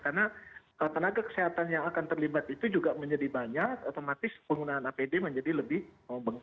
karena kalau tenaga kesehatan yang akan terlibat itu juga menjadi banyak otomatis penggunaan apd menjadi lebih banyak